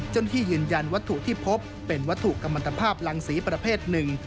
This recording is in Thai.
ที่ยืนยันวัตถุที่พบเป็นวัตถุกรรมมันตภาพรังสีประเภทหนึ่ง